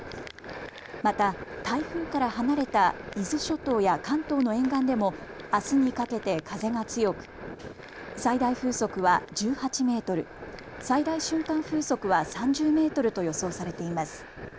また台風から離れた伊豆諸島や関東の沿岸でもあすにかけて風が強く最大風速は１８メートル、最大瞬間風速は３０メートルと予想されています。